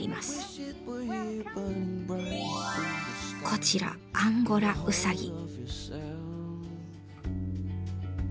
こちらアンゴラウサギ。